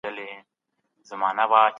د حقونو ادا کول د ایمان غوښتنه ده.